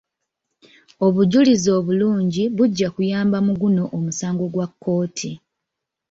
Obujulizi obulungi bujja kuyamba mu guno omusango gwa kkooti.